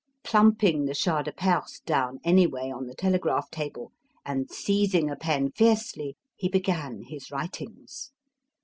Plumping the Shah de Perse down anyway on the telegraph table, and seizing a pen fiercely, he began his writings.